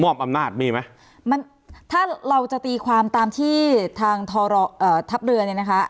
มอบอำหนาจมีไหมมันถ้าเราจะตีความตามที่ทางธบเรือนเนี่ยนะคะ